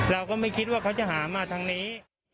เราก็ไม่คิดว่าเขาจะหามาทางนี้